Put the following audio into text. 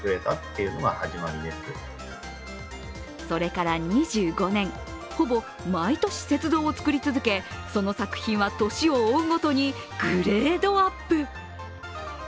それから２５年、ほぼ毎年、雪像を作り続けその作品は年を追うごとにグレードアップ。